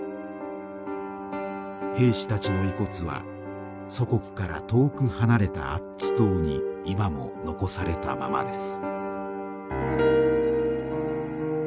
兵士たちの遺骨は祖国から遠く離れたアッツ島に今も残されたままです。